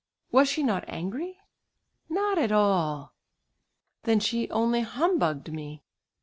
Was she not angry?" "Not at all." "Then she only humbugged me."